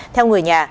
theo người nhà